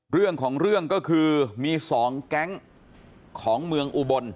เรื่องของเรื่องก็คือมี๒แก๊งของเมืองอุบล